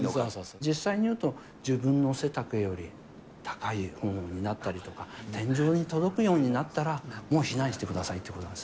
実際にいうと、自分の背丈より高いものになったりとか、天井に届くようになったら、もう避難してくださいっていうことなんです。